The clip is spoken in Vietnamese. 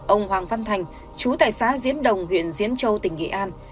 ông hoàng văn thành chú tài xá diễn đồng huyện diễn châu tỉnh nghệ an